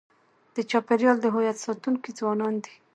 د چاپېریال د هویت ساتونکي ځوانان دي.